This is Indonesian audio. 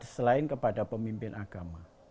selain kepada pemimpin agama